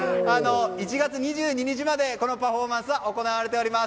１月２２日までこのパフォーマンスは行われています。